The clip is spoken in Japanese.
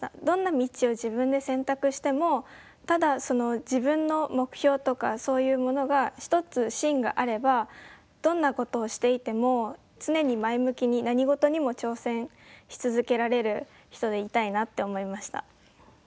どんな道を自分で選択してもただその自分の目標とかそういうものが一つ芯があればどんなことをしていても常に前向きに何事にも挑戦し続けられる人でいたいなって思いました。